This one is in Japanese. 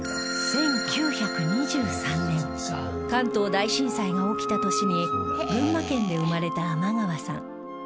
１９２３年関東大震災が起きた年に群馬県で生まれた天川さん